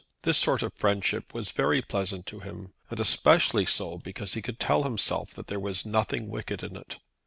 This sort of friendship was very pleasant to him, and especially so, because he could tell himself that there was nothing wicked in it.